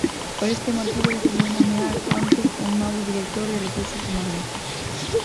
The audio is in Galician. Por este motivo decidiu nomear onte un novo director de Recursos Humanos.